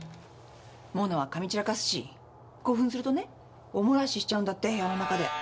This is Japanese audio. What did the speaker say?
物はかみ散らかすし興奮するとねおもらししちゃうんだって部屋の中で。